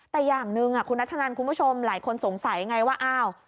แต่อย่างหนึ่งคุณนัทธนันคุณผู้ชมหลายคนสงสัยไงว่าอ้าว